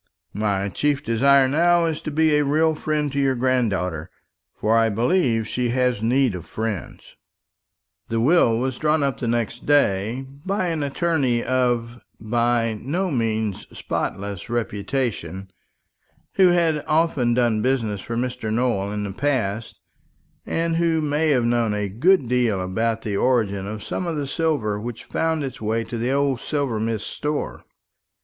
My chief desire now is to be a real friend to your granddaughter; for I believe she has need of friends." The will was drawn up next day by an attorney of by no means spotless reputation, who had often done business for Mr. Nowell in the past, and who may have known a good deal about the origin of some of the silver which found its way to the old silversmith's stores.